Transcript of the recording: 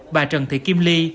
bà trần thị kim ly